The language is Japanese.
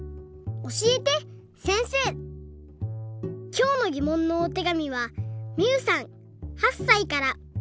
きょうのぎもんのおてがみはみゆさん８さいから。